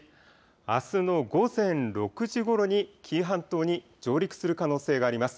あすの午前６時ごろに紀伊半島に上陸する可能性があります。